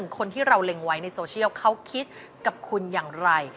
คนที่เราเล็งไว้ในโซเชียลเขาคิดกับคุณอย่างไร